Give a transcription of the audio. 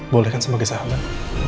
boleh kan sebagai sahabat